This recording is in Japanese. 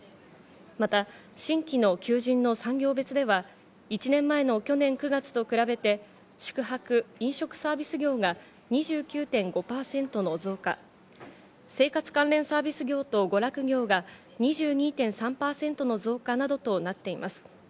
また新規の求人の産業別では、１年前の去年９月と比べて宿泊・飲食サービス業が２９．５％の増加、生活関連サービス業と娯楽業が２２．３％の増加などとなっています。